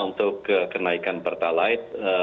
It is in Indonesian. untuk kenaikan pertalite